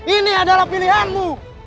ini adalah pilihanmu